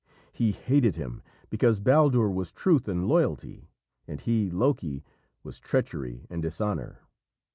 He hated him because Baldur was truth and loyalty, and he, Loki, was treachery and dishonour.